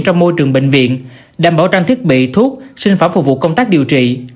trong môi trường bệnh viện đảm bảo trang thiết bị thuốc sinh phẩm phục vụ công tác điều trị